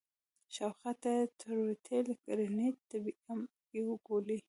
شاوخوا ته يې ټروټيل ګرنېټ د بي ام يو ګولۍ.